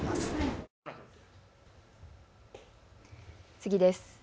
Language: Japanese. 次です。